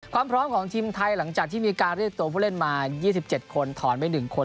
ความพร้อมของทิมไทยหลังจากที่มีการเรียกตัวผู้เล่นมายี่สิบเจ็บคนถอนไปหนึ่งคน